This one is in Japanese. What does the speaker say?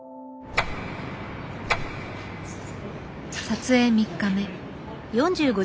撮影３日目。